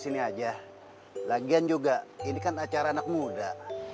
sajanya ini kan acara anak muda